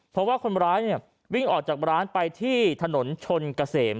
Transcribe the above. เพราะว่าคนร้ายวิ่งออกจากร้านไปที่ถนนชนเกษม